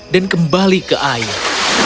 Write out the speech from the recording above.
dan kembali ke air